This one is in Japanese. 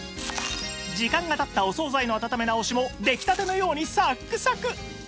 時間が経ったお惣菜の温め直しも出来たてのようにサックサク